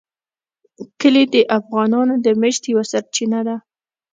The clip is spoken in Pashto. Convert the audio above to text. کلي د افغانانو د معیشت یوه سرچینه ده.